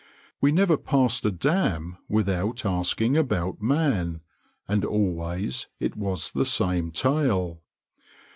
We never passed a dam without asking about man, and always it was the same tale.